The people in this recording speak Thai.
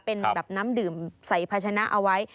เป็นแบบน้ำดื่มใส่ภาชนะเอาไว้